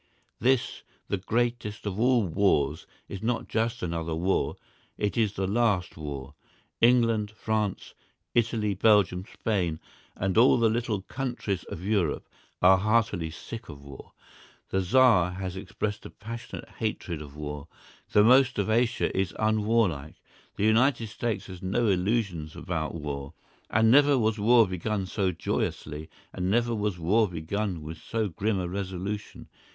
This, the greatest of all wars, is not just another war—it is the last war! England, France, Italy, Belgium, Spain, and all the little countries of Europe, are heartily sick of war; the Tsar has expressed a passionate hatred of war; the most of Asia is unwarlike; the United States has no illusions about war. And never was war begun so joyously, and never was war begun with so grim a resolution.